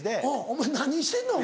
お前何してんの？